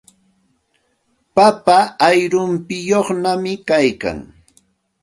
Papa ayrumpiyuqñami kaykan.